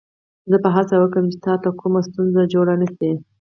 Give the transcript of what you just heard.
زه به هڅه وکړم چې تا ته کومه ستونزه جوړه نه شي.